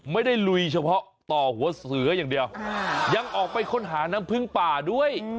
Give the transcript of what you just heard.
ลุยเฉพาะต่อหัวเสืออย่างเดียวยังออกไปค้นหาน้ำพึ่งป่าด้วย